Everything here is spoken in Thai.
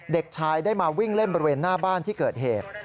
เด็กชายได้มาวิ่งเล่นบริเวณหน้าบ้านที่เกิดเหตุ